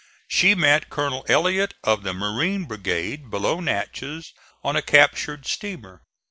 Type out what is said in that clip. She met Colonel Ellet of the Marine brigade below Natchez on a captured steamer.